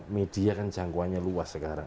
media kan jangkauannya luas sekarang